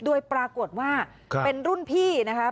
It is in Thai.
โดยปรากฏว่าเป็นรุ่นพี่นะคะ